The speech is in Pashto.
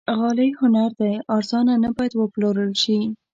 غالۍ هنر دی، ارزانه نه باید وپلورل شي.